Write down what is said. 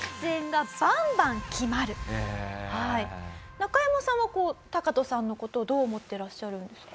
なかやまさんはタカトさんの事をどう思ってらっしゃるんですか？